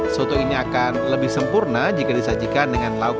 soto ini akan lebih sempurna jika disajikan dengan lauk